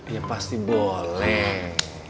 iya pasti boleh